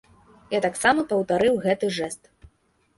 Я таксама паўтарыў гэты жэст.